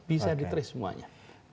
bisa di trace semuanya